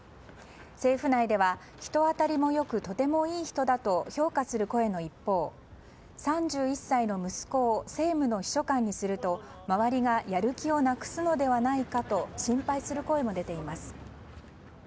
政府内では人当たりも良くとてもいい人だと評価する声の一方３１歳の息子を政務の秘書官にすると周りがやる気をなくすのではないかと心配する声も出ています。